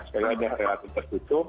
sekalian yang relatif dan utuh